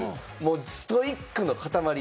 ストイックの塊。